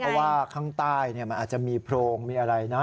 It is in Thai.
เพราะว่าข้างใต้มันอาจจะมีโพรงมีอะไรนะ